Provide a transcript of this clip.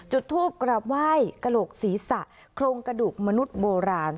จุดทูปกราบไหว้กระโหลกศีรษะโครงกระดูกมนุษย์โบราณ